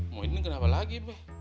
muhyiddin kenapa lagi be